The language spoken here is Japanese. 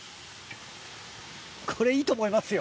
これいいと思いますよ。